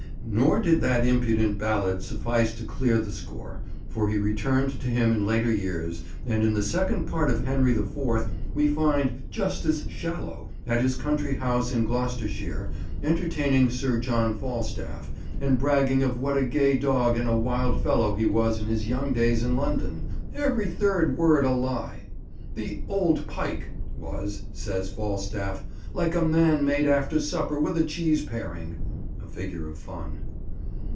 Nor did that impudent ballad suffice to clear the score, for he returned to him in later years, and in the Second Part of Henry the Fourth we find "Justice Shallow" at his country house in Gloucestershire, entertaining Sir John Falstaff, and bragging of what a gay dog and a wild fellow he was in his young days in London; "every third word a lie." The "old pike" was, says Falstaff, "like a man made after supper with a cheese paring," a figure of fun.